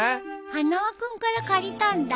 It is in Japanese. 花輪君から借りたんだ。